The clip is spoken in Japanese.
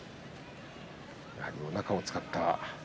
やはり、おなかを使った。